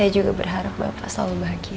saya juga berharap bapak selalu bahagia